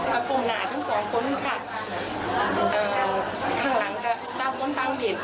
กระปุ่มหนาทั้งสองคนค่ะเอ่อข้างหลังก็เก้าคนตั้งเด็ด